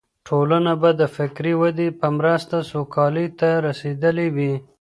ټولنه به د فکري ودې په مرسته سوکالۍ ته رسېدلې وي.